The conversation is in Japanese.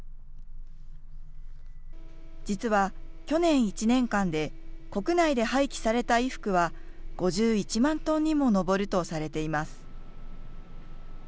実は、去年１年間で国内で廃棄された衣服は５１万トンにも上るとされています。